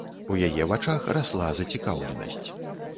У яе вачах расла зацікаўленасць.